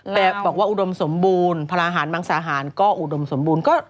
แต่บอกว่าอุดมสมบูรณ์พลาหารมังสาหารก็อุดมสมบูรณ์